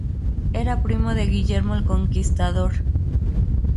Era primo de Guillermo el Conquistador.